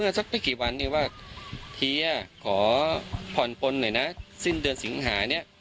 เมื่อกี๊วันนี้ว่าเฮียขอผ่อนปนเลยนะสิ้นเดือนสิงหานี้